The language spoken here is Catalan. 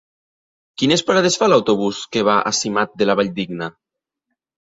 Quines parades fa l'autobús que va a Simat de la Valldigna?